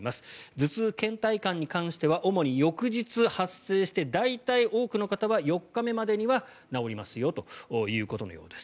頭痛、けん怠感に関しては主に翌日発生して大体、多くの方が４日目までには治りますよということのようです。